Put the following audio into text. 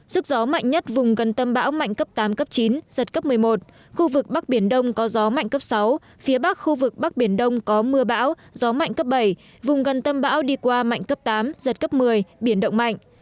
sức gió mạnh nhất vùng gần tâm bão mạnh cấp tám cấp chín giật cấp một mươi một khu vực bắc biển đông có gió mạnh cấp sáu phía bắc khu vực bắc biển đông có mưa bão gió mạnh cấp bảy vùng gần tâm bão đi qua mạnh cấp tám giật cấp một mươi biển động mạnh